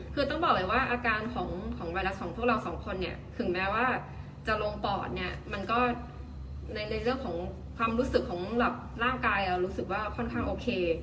คือต้องบอกเลยว่าอาการของไวรัสของพวกเราสองคนเนี่ยถึงแม้ว่าจะลงปอดเนี่ยมันก็ในเรื่องของความรู้สึกของแบบร่างกายเรารู้สึกว่าค่อนข้างโอเค